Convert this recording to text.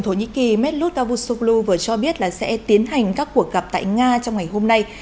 thổ nhĩ kỳ medlud kavusoglu vừa cho biết sẽ tiến hành các cuộc gặp tại nga trong ngày hôm nay